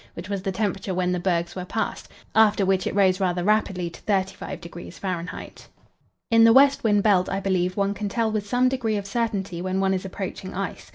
which was the temperature when the bergs were passed, after which it rose rather rapidly to 35° F. In the west wind belt I believe one can tell with some degree of certainty when one is approaching ice.